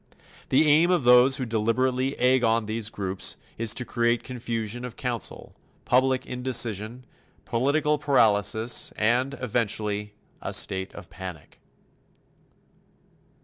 The aim of those who deliberately egg on these groups is to create confusion of counsel, public indecision, political paralysis and eventually, a state of panic.